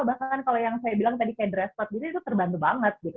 bahkan kalau yang saya bilang tadi kayak dress spot gitu itu terbantu banget gitu